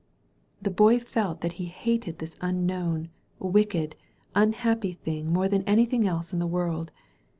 The Boy felt that he hated this unknown, wicked, unhi^py thing more than anything else in the world.